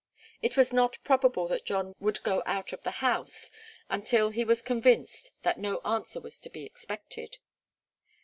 It was not probable that John would go out of the house until he was convinced that no answer was to be expected.